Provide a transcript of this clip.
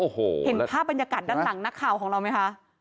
โอ้โหเห็นภาพบรรยากาศด้านหลังนักข่าวของเราไหมคะ